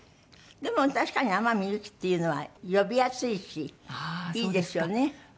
でも確かに天海祐希っていうのは呼びやすいしいいですよね。